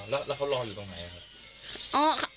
แล้วเขารออยู่ตรงไหนครับ